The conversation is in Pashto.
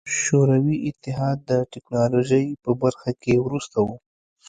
شوروي اتحاد د ټکنالوژۍ په برخه کې وروسته و.